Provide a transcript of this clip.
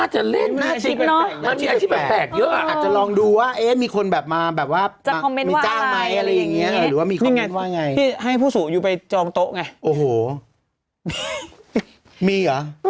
อันนี้เขาพูดจริงหรือว่าเขาพูดเล่นเนี่ย